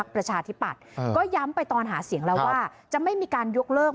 ก็ย้ำไปตอนหาเสียงแล้วว่าจะไม่มีการยกเลิก